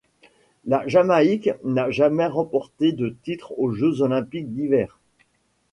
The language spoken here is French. La Jamaïque n'a jamais remporté de titre aux jeux olympiques d'hiver.